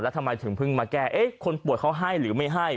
แล้วทำไมถึงมาแก้คนป่วยเขาให้หรือไม่ให้